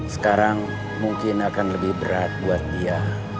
sekarang mungkin akan lebih berat buat dia